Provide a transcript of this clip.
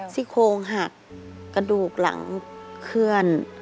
กาลนี้ที่โครงหักกระดูกหลังเขื่อน